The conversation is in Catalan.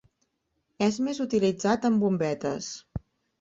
Es més utilitzat en bombetes.